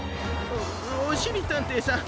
おおしりたんていさん